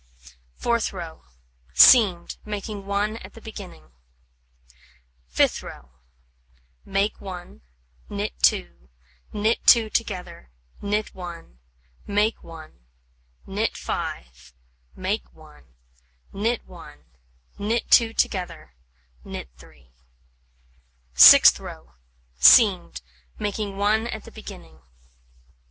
Fourth row: Seamed, making 1 at the beginning. Fifth row: Make 1, knit 2, knit 2 together, knit 1, make 1, knit 5, make 1, knit 1, knit 2 together, knit 3. Sixth row: Seamed, making 1 at the beginning.